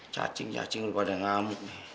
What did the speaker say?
cacing cacing rupanya ngamuk